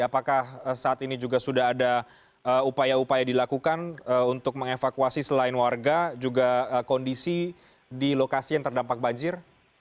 apakah saat ini juga sudah ada upaya upaya dilakukan untuk mengevakuasi selain warga juga kondisi di lokasi yang terdampak banjir